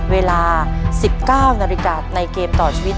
เวลา๑๙นในเกมต่อชีวิต